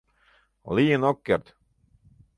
Лийын ок керт!